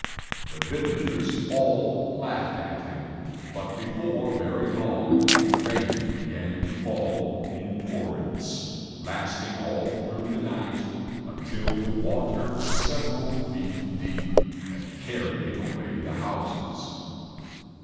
The villagers all laughed at him; but before very long rain began to fall in torrents, lasting all through the night, until the water was several feet deep, and carrying away the houses.